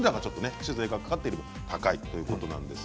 酒税が、かかって高いということです。